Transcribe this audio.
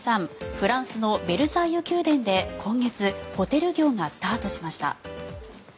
フランスのベルサイユ宮殿で今月ホテル業がスタートしました。